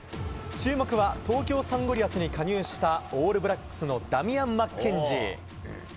注目は東京サンゴリアスに加入したオールブラックスのダミアン・マッケンジー。